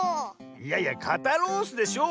いやいや「かたロース」でしょ